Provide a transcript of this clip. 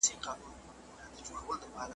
کله کله به یې کور لره تلوار وو ,